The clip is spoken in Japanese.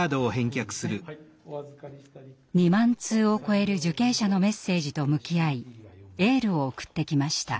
２万通を超える受刑者のメッセージと向き合いエールを送ってきました。